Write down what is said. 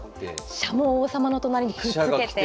飛車も王様の隣にくっつけて。